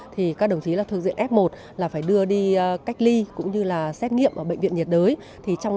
thì các đồng chí là thuộc diện f một là phải đưa đi cách ly cũng như là xét nghiệm ở bệnh viện nhiệt đới